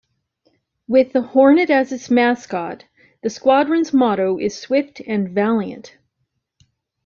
With the hornet as its mascot, the squadron's motto is "Swift and Valiant".